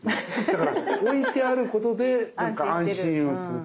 だから置いてあることでなんか安心をする。